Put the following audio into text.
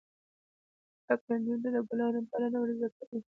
زده کړه نجونو ته د ګلانو پالنه ور زده کوي.